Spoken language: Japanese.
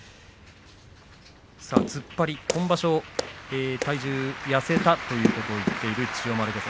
突っ張り、今場所体重痩せたということを言っている千代丸です。